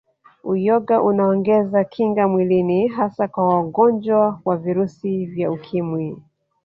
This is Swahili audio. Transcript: Uyoga unaongeza kinga mwilini hasa kwa wangonjwa wa Virusi vya Ukimwi